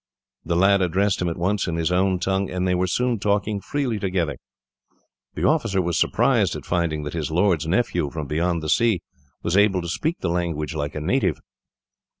The lad addressed him at once in his own tongue, and they were soon talking freely together. The officer was surprised at finding that his lord's nephew, from beyond the sea, was able to speak the language like a native.